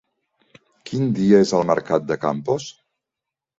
Quin dia és el mercat de Campos?